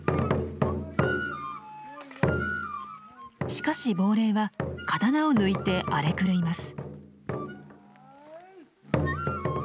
しかし亡霊は刀を抜いて荒れ狂います。